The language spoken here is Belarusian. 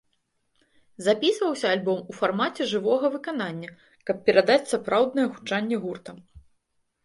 Запісваўся альбом у фармаце жывога выканання, каб перадаць сапраўднае гучанне гурта.